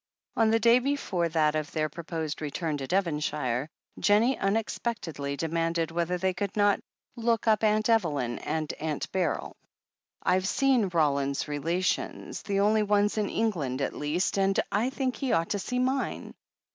On the day before that of their proposed return to Devonshire, Jennie unexpectedly demanded whether they could not "look up Aunt Evelyn and Aunt Beryl." "Fve seen Roland's relations, the only ones in Eng land, at least, and I think he ought to see mine."